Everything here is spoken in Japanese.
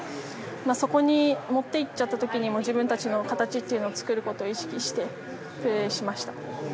そこに持っていっちゃった時に自分たちの形を作ることを意識してプレーしました。